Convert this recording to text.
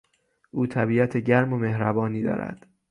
او طبیعت گرم و مهربانی دارد.